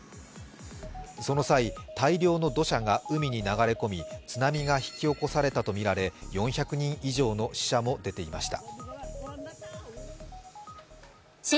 その際、大量の土砂が海に流れ込み、津波が引き起こされたとみられ４００人以上の死者も出ていました。